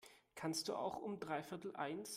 Kannst du auch um dreiviertel eins?